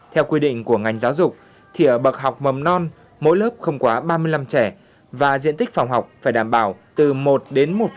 theo quy định của ngành giáo dục thì ở bậc học mầm non mỗi lớp không quá ba mươi năm trẻ và diện tích phòng học phải đảm bảo từ một đến một năm m hai một trẻ